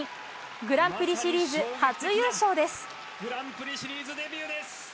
グランプリシリーズ初優勝です。